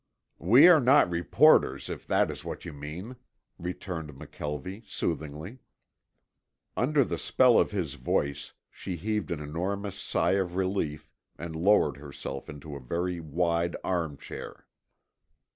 "We are not reporters, if that is what you mean," returned McKelvie soothingly. Under the spell of his voice she heaved an enormous sigh of relief and lowered herself into a very wide arm chair.